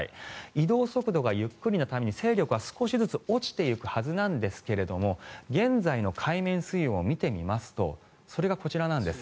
移動速度がゆっくりなために勢力は少しずつ落ちていくはずなんですが現在の海面水温を見てみますとそれがこちらなんです。